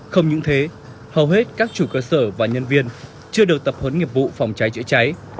không những thế hầu hết các chủ cơ sở và nhân viên chưa được tập huấn nghiệp vụ phòng cháy chữa cháy